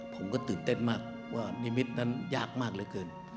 ผมก็ตื่นเต้นมากว่านิมิตรนั้นยากมากเหลือเกิน